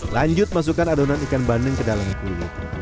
lanjut masukkan adonan ikan bandeng ke dalam kulit